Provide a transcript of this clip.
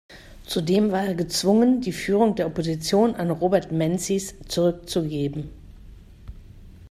Zudem war er gezwungen die Führung der Opposition an Robert Menzies zurückzugeben.